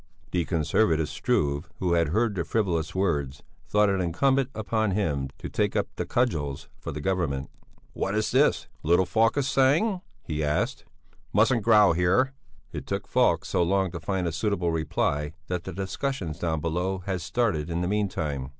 The conservative Struve, who had heard the frivolous words, thought it incumbent on him to take up the cudgels for the Government. "What is this, little Falk is saying?" he asked. "He mustn't growl here." It took Falk so long to find a suitable reply that the discussions down below had started in the meantime.